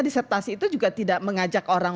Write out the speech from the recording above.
disertasi itu juga tidak mengajak orang